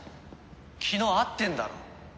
昨日会ってんだろ？